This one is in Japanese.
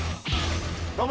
どうも。